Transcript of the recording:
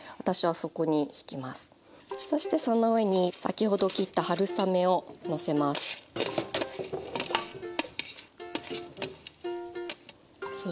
そしてその上に先ほど切った春雨をのせます。